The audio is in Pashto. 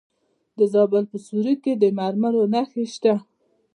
د زابل په سیوري کې د مرمرو نښې شته.